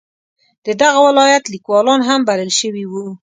د دغه ولایت لیکوالان هم بلل شوي وو.